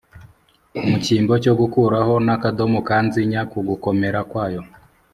mu cyimbo cyo gukuraho n’akadomo kanzinya ku gukomera kwayo,